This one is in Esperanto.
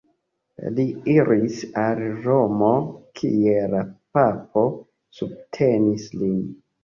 Li iris al Romo, kie la papo subtenis lin.